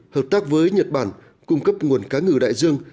hợp tác với nhật bản cung cấp nguồn cá ngừ đại dương